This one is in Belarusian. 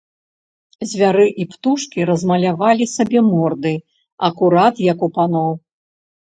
Звяры і птушкі размалявалі сабе морды акурат як у паноў.